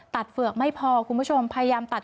เฝือกไม่พอคุณผู้ชมพยายามตัด